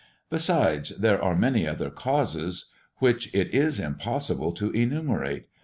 Besides there are many other causes which it is impossible to enumerate.